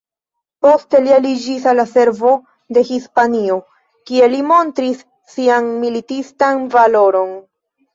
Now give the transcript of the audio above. Poste li aliĝis al la servo de Hispanio, kie li montris sian militistan valoron.